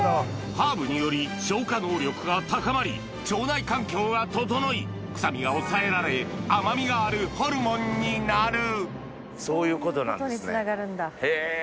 ハーブにより消化能力が高まり腸内環境が整い臭みが抑えられそういうことなんですねへぇ。